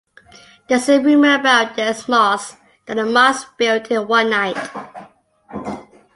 There is a rumour about this mosque that the mosque built in one night.